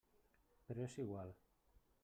Però és igual.